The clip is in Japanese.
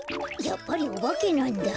やっぱりオバケなんだ。